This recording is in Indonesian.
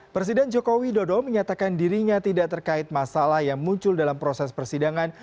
presiden jokowi dodo menyatakan dirinya tidak terkait masalah yang muncul dalam proses persidangan